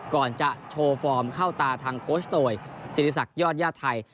ก่อนจะโชว์ฟอร์มเข้าตาทางโคชโตยศิริษักยอดญาติไทย